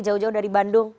jauh jauh dari bandung